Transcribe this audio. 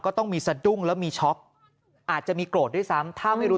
ต้องมีสะดุ้งแล้วมีช็อกอาจจะมีโกรธด้วยซ้ำถ้าไม่รู้